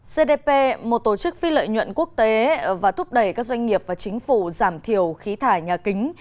cdp một tổ chức phi lợi nhuận quốc tế và thúc đẩy các doanh nghiệp và chính phủ giảm thiểu khí thải nhà kính